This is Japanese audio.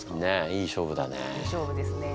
いい勝負ですね。